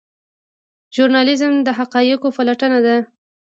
ژورنالیزم د حقایقو پلټنه ده